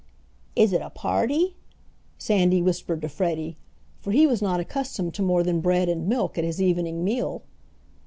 "Is it a party?" Sandy whispered to Freddie, for he was not accustomed to more than bread and milk at his evening meal.